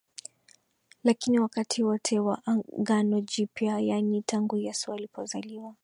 Lakini wakati wote wa Agano Jipya yaani tangu Yesu alipozaliwa